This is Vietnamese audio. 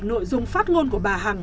nội dung phát ngôn của bà hằng